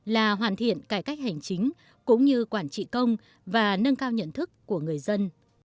là hoàn thiện cải cách hành chính cũng như quản trị công và nâng cao nhận thức của người dân